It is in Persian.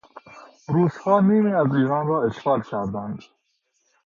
روسها نیمی از ایران را اشغال کردند.